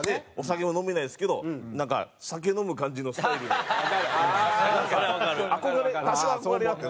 お酒は飲めないですけどなんか酒飲む感じのスタイルで。